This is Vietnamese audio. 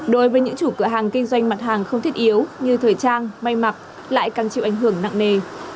đối với những chủ cửa hàng kinh doanh mặt hàng không thiết yếu như thời trang may mặc lại càng chịu ảnh hưởng nặng nề